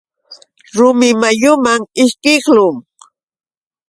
Rumi mayuman ishkiqlun.